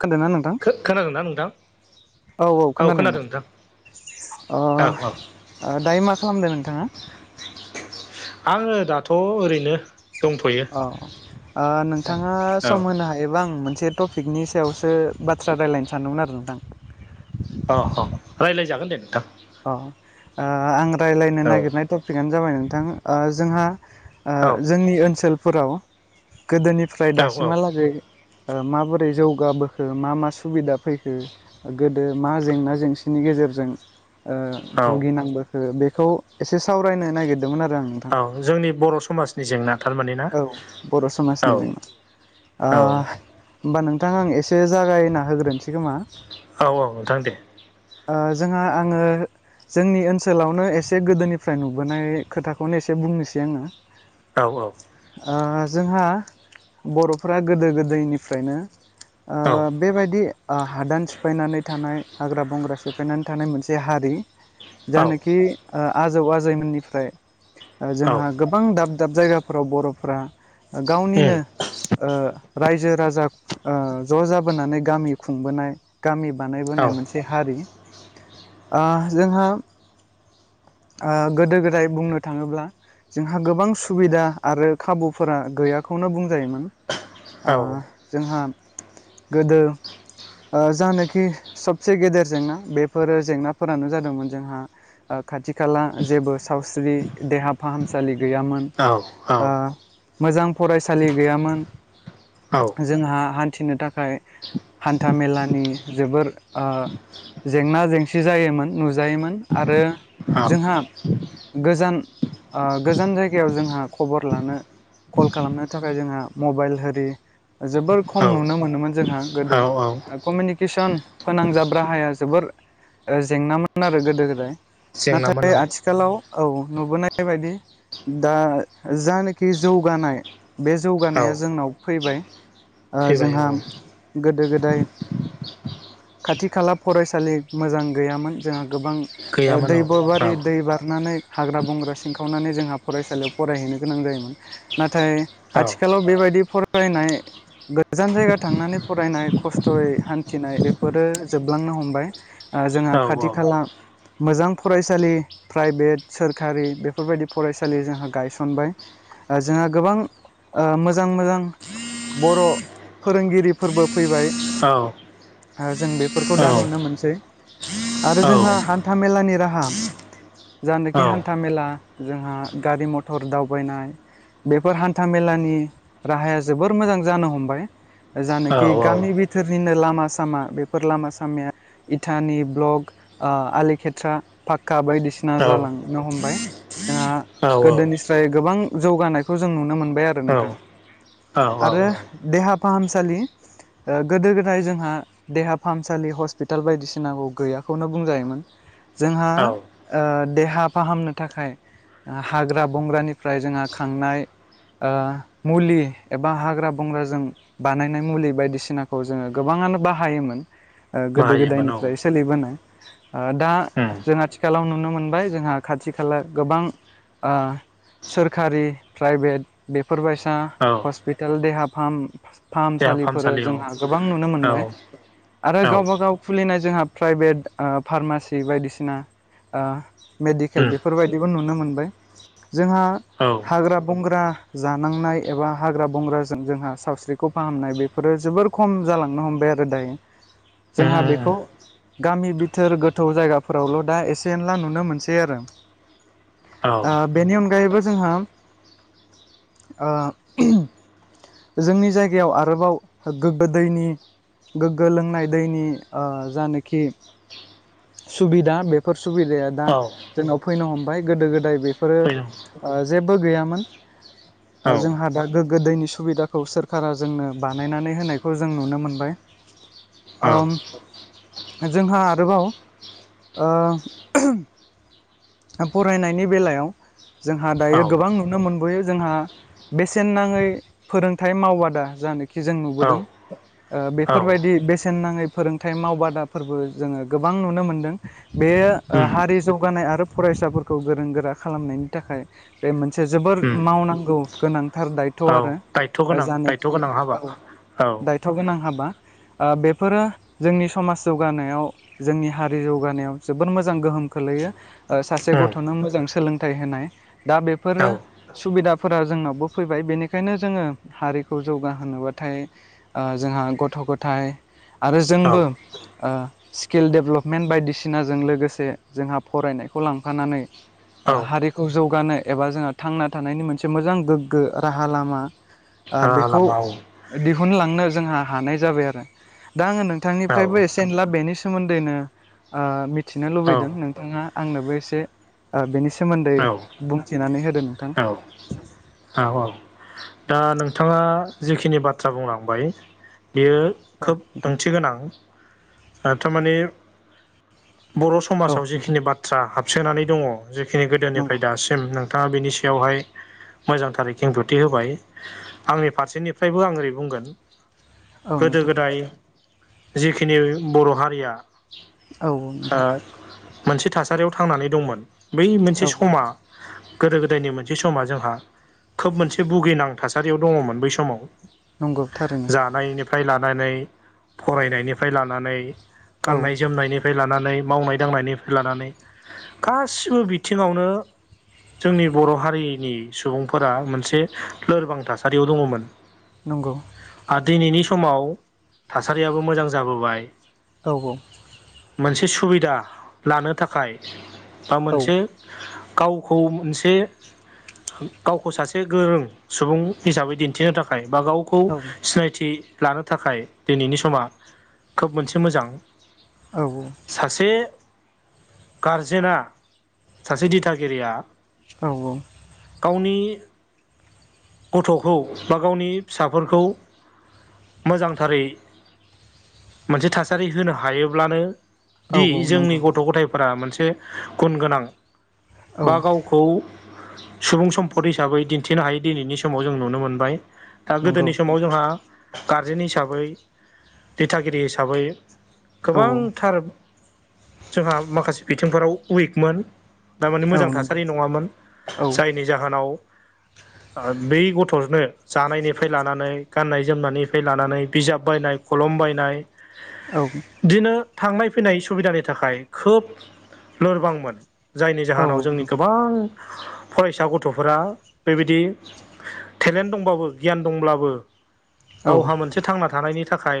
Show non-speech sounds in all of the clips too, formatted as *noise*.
खोदोना नों खोनादोंना नोंथां *unintelligible* औ औ खोनादों ना अ ओ औ औ दायो मा खालामदो नोंथाङा। आङो दाथ' ओरैनो दंथ'यो अ ओ नोंथाङा औ सम होनो हा योबा आं मोनसे टपिकनि सायावसो बाथ्रा रायज्लायनो सानदोंमोन आरो नोंथां अ अ रायज्लायजागोन दे नोंथां। अ ओ आं रायलायनो औ नागिरनाय टपिकनो जाबाय नोंथां जोंहा ओ औ जोंनि ओनसोलफोराव गोदोनिफ्राय औ दासिमहालागै ओ माबोरै जौगाबोखो मा मा सुबिदा फैखो गोदो मा जेंना जेंसिनि गेजेरजों ओ औ भुगिनांबोखो बेखौ एसे सावरायनो नागिरदोंमोन आरो आं नोंथां औ जोंनि बर' समाजनि जेंना थारमान ना? औ बर' औ समाजनि जेंना औ ओ होमबा नोंथां आं एसे जागायना होग्रोनोसै खोमा? औ औ नोंथां दे ओ जोंहा आङो जोंनि ओनसोलावनो एसे गोदोनिफ्राय नुबोनाय खोथाखौनो एसे बुंनोसै आङो। औ औ ओ जोंहा बर'फोरा गोदो गोदायनिफ्रायनो औ बेबायदि ओ हादान सिफायनानै थानाय हाग्रा बंग्रा सिफायनानै थानाय मोनसे हा रि औ उम जानोखि ओ आजौ आजैमोननिफ्राय ओ जोंहा गोबां दाब दाब जायगाफोराव बर'फोरा गावनिनो ओ रायजो राजा ओ ज' जाबोनानै गामि खुंबोनाय गामि बानायबोनाय मोनसे हारि। ओ जोंहा ओ गोदो गोदाय बुंनो थाङोब्ला जोंहा गोबां सुबिदा आरो खाबुफोरा गैयाखौनो बुंजायोमोन। औ ओ जोंहा गोदो ओ जानोखि सबसे गेदेर जेंना बेफोरो जेंनाफोरानो जादोंमोन जोंहा ओ खाथि खाला जेबो सावस्रि देहा फाहामसालि गैयामोन औ ओ मोजां फरायसालि गैयामोन जोंहा हान्थिनो थाखाय हान्था मेलानि जोबोर ओ जेंना जेंसि जायोमोन नुजायोमोन आरो जोंहा गोजान गोजान ओ जायगायाव जोंहा खबर लानो कल खालामनो थाखाय जोंहा मबाइल होरि जोबोर औ खम नुनो मोनोमोन जोंहा औ गोदो औ ओ कमिउनिकेसन फोनांजाब राहाया जोबोर जेंनामोन आरो गोदो गोदाय जेंनामोन नाथाय औ आथिखालाव औ नुबोनाय बायदि दा जानाखि जौगानाय बे औ जौगानाया जोंनाव फैबाय। ओ फैबाय जोंहा औ गोदो गोदाय खाथि खाला फरायसालि मोजां गैयामोन जोंहा गोबां ओ गैयामोन दै औ बबारि दै बारनानै हाग्रा बंग्रा सिनखावनानै जोंहा फरायसालियाव फरायहैनो गोनां जायोमोन। नाथाय औ आथिखालाव बेबायदि फरायनाय गोजान जायगा थांनानै फरायनाय खस्थ'यै हान्थिनाय बेफोरो जोबलांनो हमबाय ओ जोंहा औ औ खाथि खाला मोजां फरायसालि प्राइभेट सोरखारि बेफोरबायदि फरायसालि जोंहा गायसनबाय। ओ जोंहा गोबां मोजां मोजां औ बर' फोरोंगिरिफोरबो फैबाय ओ जों बेफोरखौ दा नुनो मोनसै आरो जोंहा हान्था मेलानि राहा जानोखि हान्था मेला जोंहा गारि मथर दावबायनाय बेफोर हान्था मेलानि राहाया जोबोर मोजां जानो हमबाय जानो कि गामि बिथोरनिनो लामा सामा बेफोर लामा सामाया इटानि ब्लक आलिखेथ्रा पाक्का बायदिसिना जालांनो हमबाय जोंहा गोदोनि ओमाय गोबां जौगानायखौ जों नुनो मोनबाय आरो औ नोंथां औ आरो देहा फाहामसालि ओ गोदो गोदाय जोंहा देहा फाहामसालि हस्पिताल बायदिसिनाखौ गैयाखौनो बुंजायोमोन। जोंहा औ ओ देहा फाहामनो थाखाय आ हाग्रा बंग्रानिफ्राय जोंहा खांनाय ओ मुलि एबा हाग्रा बंग्राजों बानायनाय मुलि बायदिसिनाखौ जोङो गोबाङानो बाहायोमोन गोदो बाहायोमोन औ गोदायनिफ्राय सोलिबोनाय ओ दा उम जों आथिखालाव नुनो मोनबाय जोंहा खाथि खाला गोबां ओ सोरखारि प्राइभेट बेफोरबायसा औ हस्पिटाल देहा फाहाम देहा फाहामसालिफोर फाहामसालियाव जोंहा गोबां नुनो औ मोनबाय आरो औ गावब गाव खुलिनाय जोंहा प्राइभेट फार्मासि बायदिसिना मेडिकेल उम बेफोरबायदिबो नुनो मोनबाय जोंहा औ उम हाग्रा बंग्रा जानांनाय एबा हाग्रा बंग्राजों जोंहा सावस्रिखौ फाहामनाय बे बेफोरो जोबोर खम जालांनो हमबाय आरो दायो उम जोंहा बेखौ उम गामि बिथोर गोथौ जायगाफोरावल' दा एसे एनला नुनो मोनसै आरो औ ओ बेनि अनगायैबो जोंहा ओ जोंनि जायगायाव आरोबाव गोग्गो दैनि गोग्गो लोंनाय दैनि जानखि सुबिदा बेफोर सुबिदाया दा औ जोंनाव फैनो हमबाय गोदो गोदाय बेफोरो फैदों जेबो गैयामोन *inaudible* ओ जोंहा दा गोग्गो दैनि सुबिदाखौ सोरखारा जोंनो बानायनानै होनायखौ जों नुनो मोनबाय *inaudible* औ ओ जोंहा आरोबाव ओ फरायनायनि बेलायाव जोंहा दायो गोबां नुनो मोनबोयो जोंहा बेसेन नाङै फोरोंथाइ मावबादा जानोखि जों औ नुबोदों ओ औ बेफोरबायदि बेसेन नाङै फोरोंथाइ मावबादाफोरबो जोङो गोबां नुनो मोनदों बे उम हारि जौगानाय आरो फरायसाफोरखौ गोरों गोरा खालामनायनि थाखाय बे मोनसे जोबोर उम मावनांगौ गोनांथार दायथ' औ दायथ' आरो गोनां दायथ' जानखि गोनां हाबा औ औ दायथ' गोनां हाबा ओ बेफोरो जोंनि समाज जौगानायाव जोंनि हारि जौगानायाव जोबोद मोजां गोहोम खोलैयो ओ सासे उम गथ'नो मोजां सोलोंथाइ होनाय दा बेफोरो औ सुबिदाफोरा जोंनावबो फैबाय बेनिखायनो जोङो हारिखौ जौगाहोनोबाथाय ओ जोंहा गथ' गथायाइ आरो जोंबो औ ओ स्किल डेभेलपमेन्ट बायदिसिनाजों लोगोसे जोंहा फरायनायखौ लांफानानै ओ औ हारिखौ जौगानो एबा जोंहा थांना थानायनि मोनसे मोजां गोग्गो राहा लामा ओ बेखौ राहा-लामाव दिहुनलांनो जोंहा हानाय जाबाय आरो दा आङो औ नोंथांनिफ्रायबो एसे सेनला बेनि सोमोन्दैनो मिथिनो औ लुबैदों नोंथाङा आंनोबो एसे बेनि सोमोन्दै औ बुंथिनानै होदो नोंथां औ औ औ दा नोंथाङा जिखिनि बाथ्रा बुंलांबाय बेयो औ खोब नोंथां ओंथि गोनां थारमाने बर' औ समाजाव नोंथां जिखिनि बाथ्रा हाबसोनानै दङ जिखिनि नंगौ गोदोनिफ्राय दासिम सिम नोंथाङा बेनि सायावहाय मोजांथार खेंथथि होबाय आंनि फारसेनिफ्रायबो आं ओरै बुंगोन। औ नोंथां गोदो-गोदाय जिखिनि बर' हारिया औ ओ नोंथां मोनसे थासारियाव थांनानै दंमोन। बै मोनसे औ औ समा गोदो गोदायनि मोनसे समा जोंहा खोब मोनसे भुगिनां थासारियाव दङमोन बै समाव नंगौ थारैनो जानायनिफ्राय लानानै फरायनायनिफ्राय लानानै औ गाननाय-जोमनायनि- लानानै मावनाय-दांनायनिफ्राय लानानै। गासिबो बिथिङावनो जोंनि बर' हारिनि सुबुंफोरा मोनसे लोरबां थासारियाव दङमोन। नंगौ। आरो दिनैनि समाव थासारियाबो मोजां जाबोबाय औ औ मोनसे सुबिदा लानो थाखाय बा औ मोनसे गावखौ मोनसे गावखौ सासे गोरों सुबुं हिसाबै दिन्थिनो थाखाय बा गावखौ औ सिनायथि लानो थाखाय दिनैनि समा खोब मोनसे मोजां। औ औ सासे गारजेना सासे दिथागिरिया औ औ गावनि गथ'खौ बा गावनि फिसाफोरखौ मोजांथारै मोनसे थासारि होनो हायोब्लानो औ दि जोंनि नंगौ नोंथां गथ'-गथाय- फोरा मोनसे गुन गोनां औ बा गाव- खौ सुबुं सम्पद हिसाबै दिन्थिनो हायै दिनैनि समाव जों नुनो मोनबाय। दा नंगौ गोदोनि समाव नोंथां जोंहा गारजेन हिसाबै दिथागिरि हिसाबै औ गोबांथार जोंहा माखासे बिथिंफोराव उइकमोन। दा माने मोजां औ नंगौ थासारि नङामोन। औ जायनि जाहोनाव बै गथ'नो जानायनिफ्राय लानानै गाननाय-जोमनायनिफ्राय लानानै बिजाब बायनाय खलम बायनाय औ इदिनो थांनाय फैनाय सुबिदानि थाखाय खोब लोरबांमोन। जायनि औ जाहोनाव जोंनि नोंथां गोबां फरायसा गथ'फोरा बेबायदि टेलेन्ट दंबाबो गियान दंब्लाबो गावहा औ मोनसे थांना थानायनि थाखाय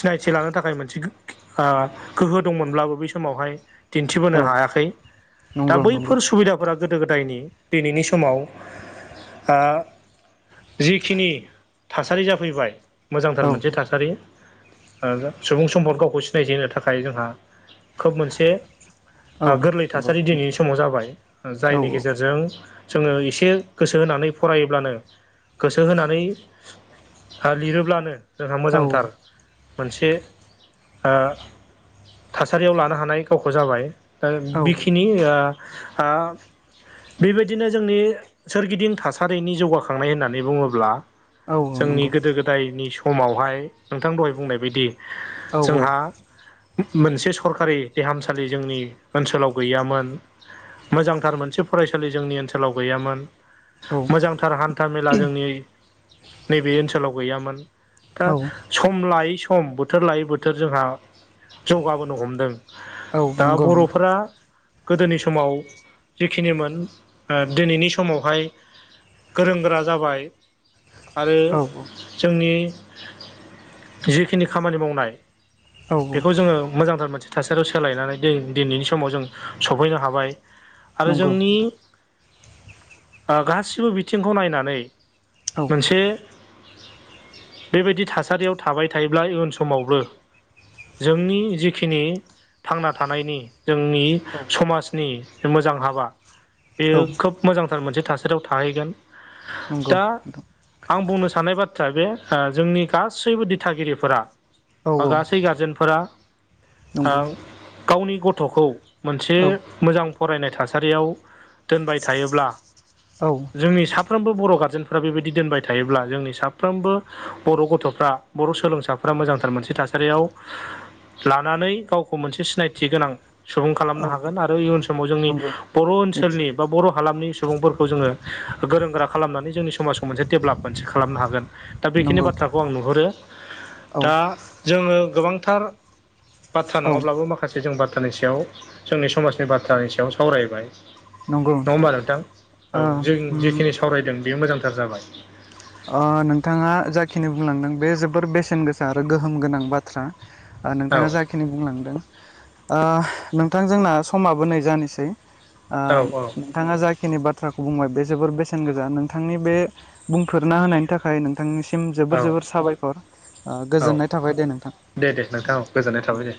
सिनायथि लानो थाखाय मोनसे ओ गोहो दंमोनब्लाबो बै समावहाय दिन्थिबोनो औ हायाखै। दा नंगौ नंगौ बैफोर सुबिदाफोरा गोदो-गोदायनि दिनैनि समाव आ जिखिनि थासारि जाफैबाय मोजांथार औ मोनसे थासारि सुबुं सम्पद गावखौ सिनायथि होनो थाखाय जोंहा खोब मोनसे औ गोरलै नंगौ थासारि दिनैनि समाव जाबाय। औ जायनि गेजेरजों जोङो एसे गोसो होनानै फरायोब्लानो गोसो होनानै लिरोब्लानो जोंहा औ मोजांथार मोनसे ओ थासारियाव लानो हानाय गावखौ जाबाय। दा औ बेखिनि आ ओ बेबायदिनो जोंनि सोरगिदिं थासारिनि जौगाखांनाय होननानै बुङोब्ला औ जोंनि नंगौ गोदो- गोदायनि समावहाय नोंथां दहाय बुंनाय बायदि औ जोंहा मोनसे सरकारि देहामसालि जोंनि ओनसोलाव गैयामोन। मोजांथार मोनसे फरायसालि जोंनि ओनसोलाव गैयामोन। औ मोजांथार हान्था मेला जोंनि नैबे ओनसोलाव गैयामोन। दा औ सम लायै सम बोथोर लायै बोथोर जोंहा जौगाबोनो हमदों। औ दा नंगौ नोंथां बर'फोरा गोदोनि समाव जिखिनिमोन ओ दिनैनि समावहाय गोरों गोरा जाबाय आरो औ औ जोंनि जिखिनि खामानि मावनाय औ बेखौ जोङो मोजांथार मोनसे- थासारियाव सोलायनानै दे-दिनैनि समाव जों सफैनो हाबाय आरो नंगौ जोंनि नोंथां ओ गासिबो बिथिंखौ नायनानै औ मोनसे बेबायदि थासारियाव थाबाय थायोब्ला इयुन समावबो जोंनि जिखिनि थांना थानायनि जोंनि औ। समाजनि मोजां हाबा औ नंगौ नोंथां औ बेयो खोब मोजांथार मोनसे थासारियाव थाहैगोन। नंगौ दा आं बुंनो साननाय बाथ्राया बे जोंनि गासैबो दिथागिरिफोरा औ बा गासै गारजेनफोरा औ ओ औ गावनि गथ'खौ मोनसे मोजां फरायनाय थासारियाव दोनबाय थायोब्ला जोंनि सा फ्रोमबो बर' गारजेनफ्रा बेबायदि दोनबाय थायोब्ला जोंनि साफ्रोमबो बर' गथ'फ्रा बर' सोलोंसाफ्रा मोजांथार मोनसे थासारियाव लानानै गावखौ मोनसे सिनायथि गोनां सुबुं खालामनो हागोन आरो इयुन समाव जोंनि नंगौ बर' ओनसोलनि निस्सय बर' हालामनि सुबुंफोरखौ जोङो गोरों गोरा खालामनानै जोंनि समाज खौ मोनसे डेभेलप मोनसे खालामनो हागोन दा बेखिनि नंगौ बाथ्राखौ आं नुहुरो औ दा जोङो गोबांथार बाथ्रा औ नङाब्लाबो मा खासे जों बाथ्रानि सायाव जोंनि समाजनि बाथ्रानि सायाव सावरायबाय। नङा होमबा नोंथां ओ औ जों उम जेखिनि सावरायदों बे मोजांथार जाबाय। ओ नोंथाङा जाखिनि बुंलांदों बे जोबोर बेसेन गोसा आरो गोहोम गोनां बाथ्रा। ओ औ नोंथाङा जा खिनि बुंलांदों ओ नोंथां जोंना समाबो नै जानोसै। ओ औ औ नोंथाङा जाखिनि बाथ्राखौ बुंबाय बे जोबोर बेसेन गोजा नोंथांनि बे बुंफोरना होनायनि थाखाय नोंथांनिसिम औ जोबोर जोबोर साबायखर ओ औ गोजोननाय थाबाय दे नोंथां। दे दे नोंथां औ गोजोननाय थाबाय दे।